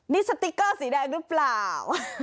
นี่สติ๊กเกอร์สีแดงหรือเปล่า